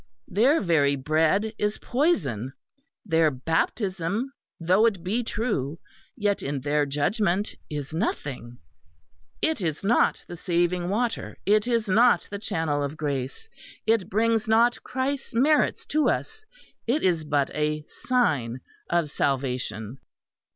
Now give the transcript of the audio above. Their very bread is poison. Their baptism, though it be true, yet in their judgment is nothing. It is not the saving water! It is not the channel of Grace! It brings not Christ's merits to us! It is but a sign of salvation!"